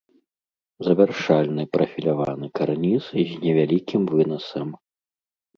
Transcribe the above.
Завяршальны прафіляваны карніз з невялікім вынасам.